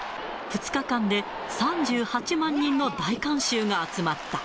２日間で３８万人の大観衆が集まった。